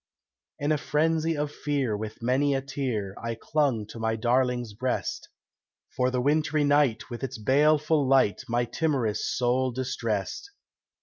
In a frenzy of fear, with many a tear, I clung to my darling's breast, For the wintry night with its baleful light My timorous soul distressed.